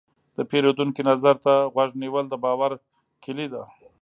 د پیرودونکي نظر ته غوږ نیول، د باور کلي ده.